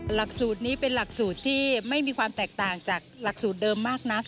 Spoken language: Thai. หลักสูตรนี้เป็นหลักสูตรที่ไม่มีความแตกต่างจากหลักสูตรเดิมมากนัก